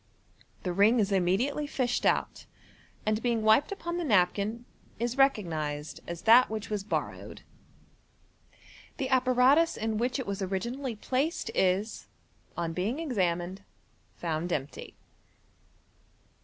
The ring is immediately fished out, aixl being wiped upon the napkin, is recognized as that which was borrowed. The apparatus in which it was originally placed is, on being examined, found empty.